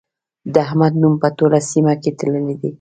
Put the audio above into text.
د احمد نوم په ټوله سيمه کې تللی دی.